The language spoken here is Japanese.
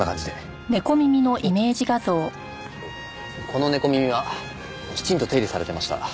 この猫耳はきちんと手入れされていました。